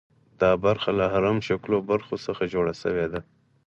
دا برخه له هرم شکلو برخو څخه جوړه شوې ده.